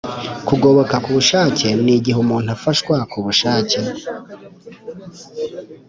Kugoboka ku bushake ni igihe umuntu afashwa ku bushake